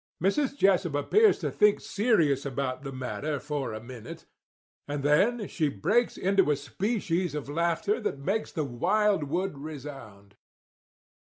Mrs. Jessup appears to think serious about the matter for a minute, and then she breaks into a species of laughter that makes the wildwood resound.